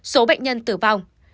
số bệnh nhân tử vong